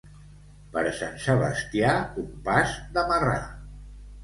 Per Sant Sebastià, un pas de marrà.